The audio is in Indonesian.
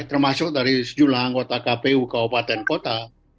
termasuk dari sejumlah anggota kpu kabupaten kota